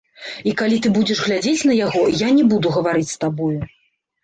І калі ты будзеш глядзець на яго, я не буду гаварыць з табою.